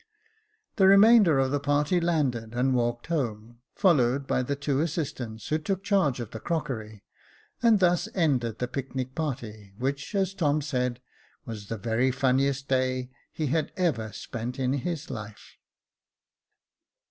The remainder of the party landed and walked home, followed by the two assistants, who took charge of the crockery ; and thus ended the picnic party, which, as Tom said, was the very funniest day he had ever spent in his life.